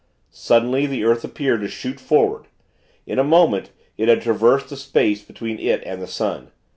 Suddenly, the earth appeared to shoot forward. In a moment, it had traversed the space between it and the sun.